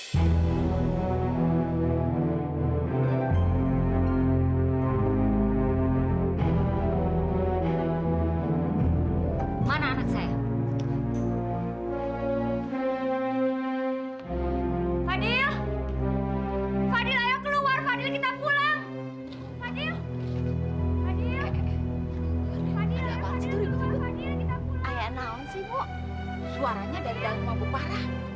suaranya dari dalam wabuk parah